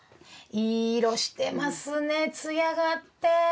いい色してますねつやがあって。